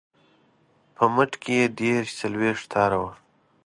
په مټ کې یې دېرش څلویښت تاره وه.